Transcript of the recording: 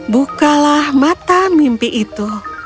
bukalah mata mimpi itu